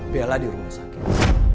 bella di rumah sakit